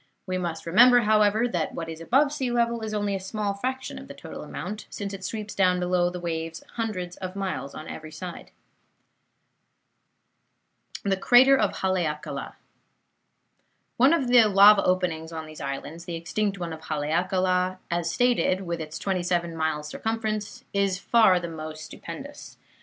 We must remember, however, that what is above sea level is only a small fraction of the total amount, since it sweeps down below the waves hundreds of miles on every side. CRATER OF HALEAKALA Of the lava openings on these islands, the extinct one of Haleakala, as stated, with its twenty seven miles circumference, is far the most stupendous.